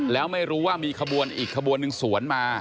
แล้วไม่รู้ว่ามีขบวนอีกขบวนหนึ่งสวนมา